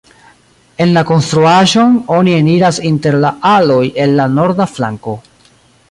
En la konstruaĵon oni eniras inter la aloj el la norda flanko.